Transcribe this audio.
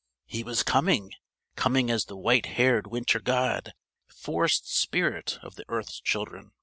He was coming coming as the white haired Winter god, Forest spirit, of the earth's children!